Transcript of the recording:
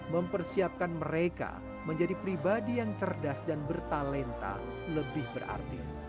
mempersiapkan mereka menjadi pribadi yang cerdas dan bertalenta lebih berarti